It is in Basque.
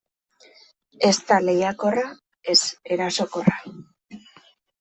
Ez da lehiakorra, ez erasokorra.